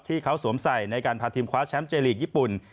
สวมใส่ในการพาทีมคว้าแชมป์เจลีกญี่ปุ่น